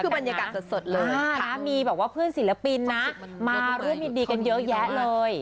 ทั้งถ้ามีเพื่อนศิลปินน่ะมารื่มดีกันเยอะแยะเลย